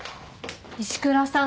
石倉さん